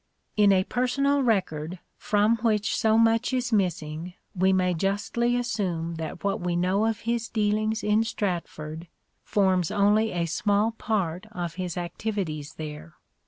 In a personal record from which so much is missing we may justly assume that what we know of his dealings in Stratford forms only a small part of his activities there.